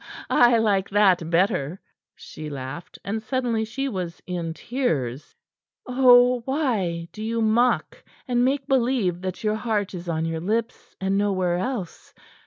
"I like that better," she laughed, and suddenly she was in tears. "Oh, why do you mock, and make believe that your heart is on your lips and nowhere else?"